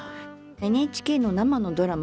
ＮＨＫの生のドラマ